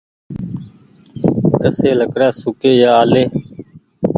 ڪسي لڪڙآ سوڪي يا آلي